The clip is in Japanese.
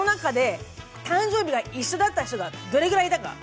誕生日が一緒だった人がどれくらいいたか？